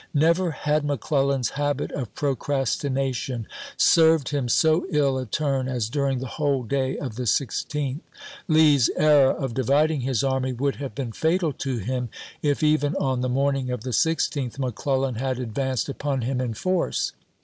Never had McClellan's habit of procrastination served him so ill a turn as during the whole day of the 16th. Lee's error of dividing his army would have been fatal to him if even on the morning of the 16th McClellan had advanced upon him in force.